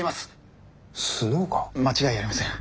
間違いありません。